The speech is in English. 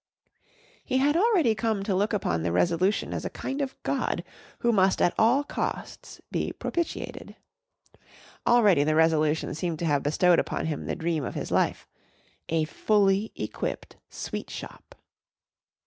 He had already come to look upon the Resolution as a kind of god who must at all costs be propitiated. Already the Resolution seemed to have bestowed upon him the dream of his life a fully equipped sweet shop.